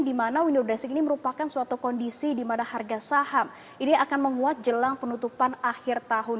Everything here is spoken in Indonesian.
di mana window dressing ini merupakan suatu kondisi di mana harga saham ini akan menguat jelang penutupan akhir tahun